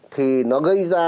thì nó gây ra